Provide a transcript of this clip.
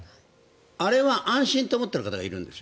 あれは安心と思っている方がいるんですよ。